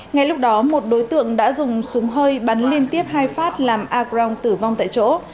ngay lúc đó một đối tượng đã dùng súng hơi bắn liên tiếp hai phát làm a crong tử vong tại chỗ